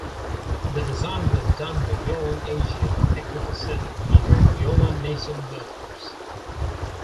The design was done by Yulon Asia Technical Center under Yulon-Nissan Motors.